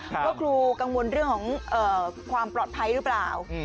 ว่าครูกังวลเรื่องของความปลอดภัยหรือเปล่า